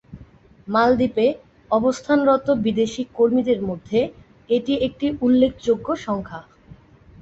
মালদ্বীপে অবস্থানরত বিদেশী কর্মীদের মধ্যে এটি একটি উল্লেখযোগ্য সংখ্যা।